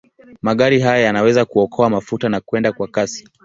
Magari haya yanaweza kuokoa mafuta na kwenda kwa kasi.